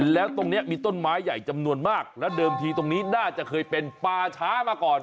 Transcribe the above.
แล้วตรงนี้มีต้นไม้ใหญ่จำนวนมากแล้วเดิมทีตรงนี้น่าจะเคยเป็นป่าช้ามาก่อน